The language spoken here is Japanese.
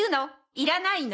いらないの？